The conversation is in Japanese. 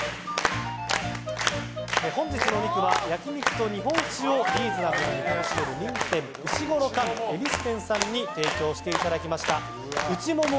本日のお肉は、焼き肉と日本酒をリーズナブルに楽しめる人気店うしごろ貫恵比寿店さんに提供していただきました内モモ